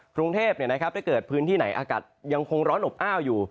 กรุงเทพถ้าเกิดพื้นที่ไหนอากาศยังคงร้อนอบอ้าวอยู่